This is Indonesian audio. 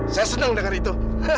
saya senang dengar itu